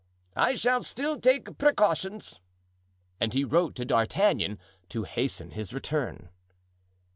"I shall still take precautions." And he wrote to D'Artagnan to hasten his return.